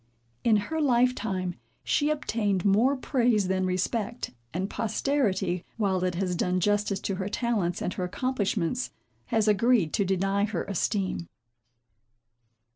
In her life time she obtained more praise than respect; and posterity, while it has done justice to her talents and her accomplishments, has agreed to deny her esteem.